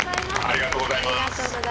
ありがとうございます。